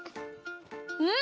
うん！